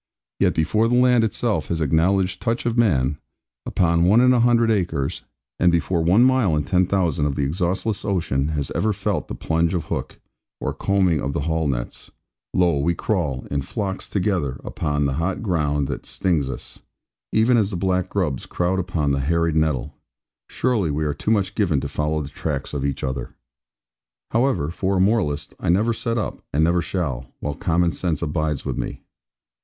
Yet before the land itself has acknowledged touch of man, upon one in a hundred acres; and before one mile in ten thousand of the exhaustless ocean has ever felt the plunge of hook, or combing of the haul nets; lo, we crawl, in flocks together upon the hot ground that stings us, even as the black grubs crowd upon the harried nettle! Surely we are too much given to follow the tracks of each other. However, for a moralist, I never set up, and never shall, while common sense abides with me.